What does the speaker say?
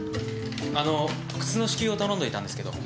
あの靴の支給を頼んでおいたんですけど。